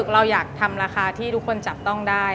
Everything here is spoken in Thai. เราอยากทำราคาที่ทุกคนจับต้องได้